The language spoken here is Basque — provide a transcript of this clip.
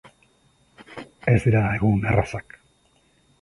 Ez dira egun errazak.